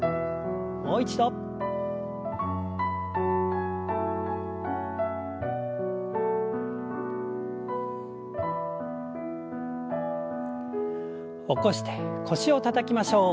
もう一度。起こして腰をたたきましょう。